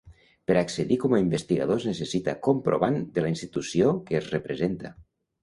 Per accedir com a investigador es necessita comprovant de la institució que es representa.